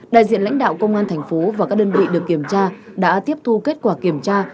đại diện lãnh đạo công an thành phố và các đơn vị được kiểm tra đã tiếp thu kết quả kiểm tra